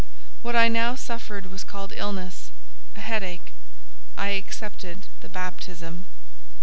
What I now suffered was called illness—a headache: I accepted the baptism.